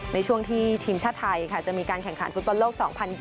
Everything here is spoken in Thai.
ในช่วงที่ทีมชาติไทยจะมีการแข่งขันฟุตบอลโลก๒๐๒๐